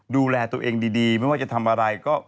ดูแลตัวเองดีไม่ว่าจะทำอะไรก็